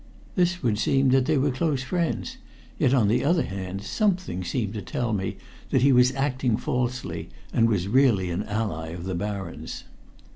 This would seem that they were close friends; yet, on the other hand, something seemed to tell me that he was acting falsely, and was really an ally of the Baron's.